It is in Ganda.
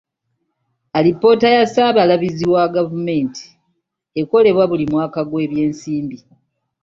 Alipoota ya ssaababalirizi wa gavumenti ekolebwa buli mwaka gw'ebyensimbi.